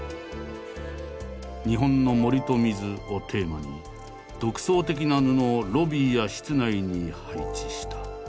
「日本の森と水」をテーマに独創的な布をロビーや室内に配置した。